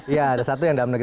ya ada satu yang dalam negeri